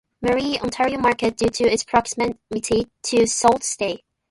Marie, Ontario market, due to its proximity to Sault Ste.